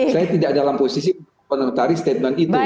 saya tidak dalam posisi untuk menentari statement itu